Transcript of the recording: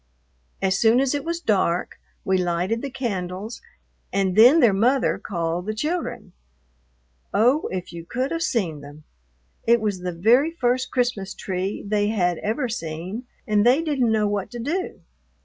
As soon as it was dark we lighted the candles and then their mother called the children. Oh, if you could have seen them! It was the very first Christmas tree they had ever seen and they didn't know what to do.